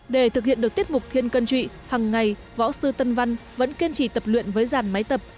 để thực hiện được tiết mục thiên cân trụy hằng ngày võ sư tân văn vẫn kiên trì tập luyện với dàn máy tập